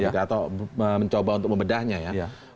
atau mencoba untuk membedahnya ya